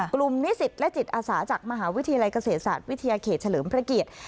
นิสิตและจิตอาสาจากมหาวิทยาลัยเกษตรศาสตร์วิทยาเขตเฉลิมพระเกียรติ